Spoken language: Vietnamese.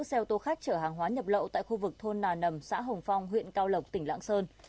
xe ô tô khách chở hàng hóa nhập lậu tại khu vực thôn nà nầm xã hồng phong huyện cao lộc tỉnh lạng sơn